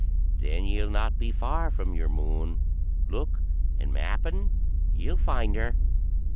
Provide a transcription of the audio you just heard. Then ye'll not be far from your Moon; look, and m'appen ye 'll find her."